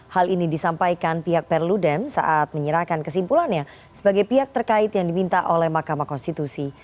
hal ini disampaikan pihak perludem saat menyerahkan kesimpulannya sebagai pihak terkait yang diminta oleh mahkamah konstitusi